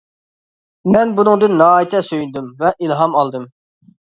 مەن بۇنىڭدىن ناھايىتى سۆيۈندۈم ۋە ئىلھام ئالدىم.